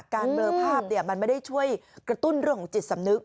เบลอภาพมันไม่ได้ช่วยกระตุ้นเรื่องของจิตสำนึก